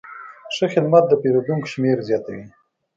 ښه خدمت د پیرودونکو شمېر زیاتوي.